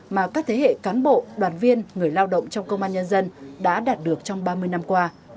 mà các thế hệ cán bộ đoàn viên người lao động trong công an nhân dân đã đạt được trong ba mươi năm qua